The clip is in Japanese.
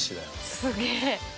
すげえ。